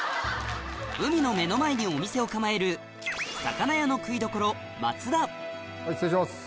海の目の前にお店を構える失礼します。